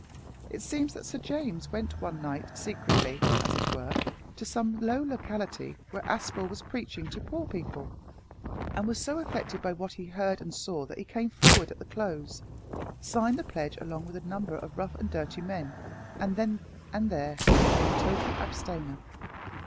It seems that Sir James went one night, secretly, as it were, to some low locality where Aspel was preaching to poor people, and was so affected by what he heard and saw that he came forward at the close, signed the pledge along with a number of rough and dirty men, and then and there became a total abstainer.